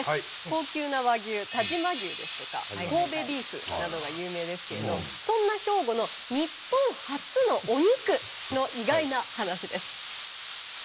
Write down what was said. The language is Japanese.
高級な和牛但馬牛ですとか神戸ビーフなどが有名ですけれどそんな兵庫の日本初のお肉の意外な話です。